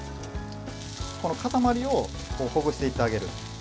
この塊をほぐしていってあげる。